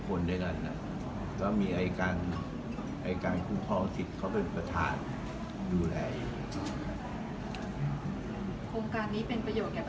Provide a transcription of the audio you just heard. ผมได้กันนะว่ามีรายการรายการทุกของศิษย์เขาเป็นประธานอยู่นาน